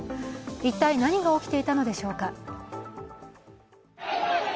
一体、何が起きていたのでしょうか？